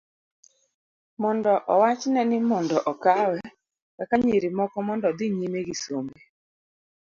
mondo owachne ni mondo okawe kaka nyiri moko mondo odhi nyime gi sombe